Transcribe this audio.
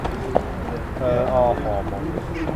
เออออห่อหมก